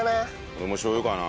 俺もしょう油かな。